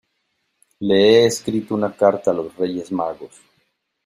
le he escrito una carta a los Reyes Magos